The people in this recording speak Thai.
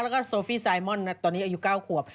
แล้วก็โซฟี่ไซมอนตอนนี้อายุ๙ขวบ